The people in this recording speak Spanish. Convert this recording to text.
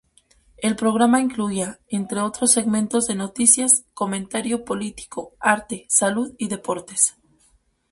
El programa incluía, entre otros, segmentos de noticias, comentario político, arte, salud y deportes.